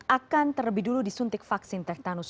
akan terlebih dulu disuntik vaksin tetanus